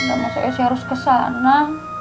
nggak masuk esi harus ke sana